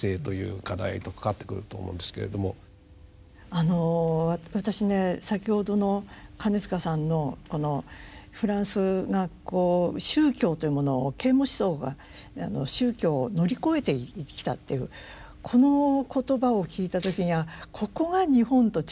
あの私ね先ほどの金塚さんのこのフランスがこう宗教というものを啓蒙思想が宗教を乗り越えてきたというこの言葉を聞いた時に「ああここが日本と違うんだ」